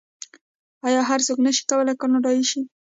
آیا هر څوک نشي کولی کاناډایی شي؟